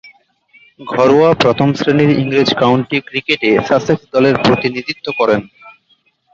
ঘরোয়া প্রথম-শ্রেণীর ইংরেজ কাউন্টি ক্রিকেটে সাসেক্স দলের প্রতিনিধিত্ব করেন।